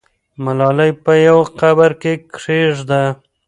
ملالۍ په یوه قبر کې کښېږده.